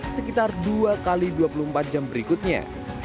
sekitar dua x dua puluh empat jam berikutnya